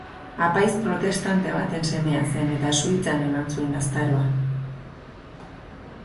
Apaiz protestante baten semea zen eta Suitzan eman zuen gaztaroa.